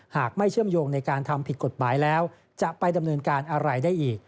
ไม่เชื่อมโยงในการทำผิดกฎหมายแล้วจะไปดำเนินการอะไรได้อีก